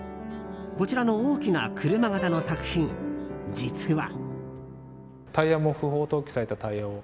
こちらの大きな車型の作品実は。